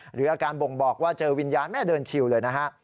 หรืออาการบ่งบอกว่าเจอวิญญาณแม่เดินชิวเลยนะฮะ